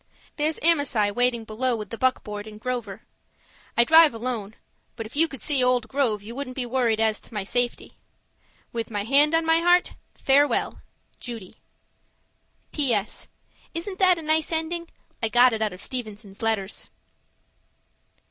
There's Amasai waiting below with the buckboard and Grover. I drive alone but if you could see old Grove, you wouldn't be worried as to my safety. With my hand on my heart farewell. Judy PS. Isn't that a nice ending? I got it out of Stevenson's letters.